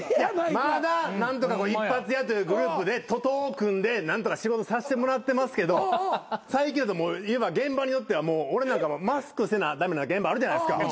まだ何とか一発屋というグループで徒党を組んで何とか仕事させてもらってますけど最近だともう現場によっては俺なんかもマスクせな駄目な現場あるじゃないですか。